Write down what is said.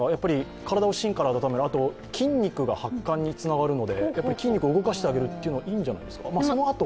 体を芯から温めてあと、筋肉が発汗につながるので筋肉を動かすっていうのはいいんじゃないですか？